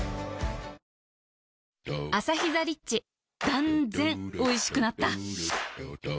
断然おいしくなった